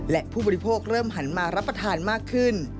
และผู้บริโภคเริ่มหันมารับประทานมากขึ้น